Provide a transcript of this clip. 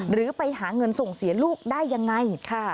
หรือไปหาเงินส่งเสียลูกได้ยังไง